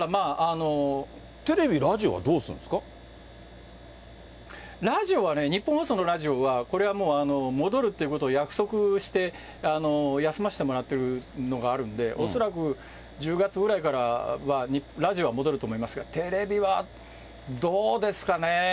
テレビ、ラジオはどうするんラジオは、ニッポン放送のラジオは、これはもう、戻るということを約束して、休ませてもらっているのがあるんで、恐らく、１０月ぐらいからはラジオは戻ると思いますが、テレビはどうですかね。